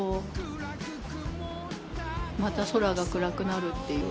「また空が暗くなる」っていう。